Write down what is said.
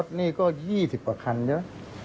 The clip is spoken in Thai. รถนี่ก็๒๐กว่าคันเท่าไร